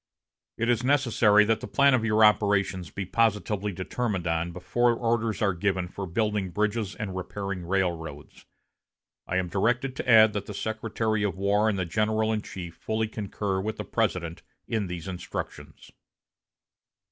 It is necessary that the plan of your operations be positively determined on before orders are given for building bridges and repairing railroads. I am directed to add that the Secretary of War and the general in chief fully concur with the President in these instructions."